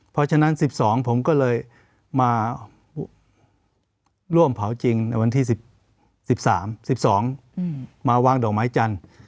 เพราะฉะนั้น๑๒ผมก็เลยมาร่วมเผาจริงในวันที่๑๓๑๒มาวางดอกไม้จันทร์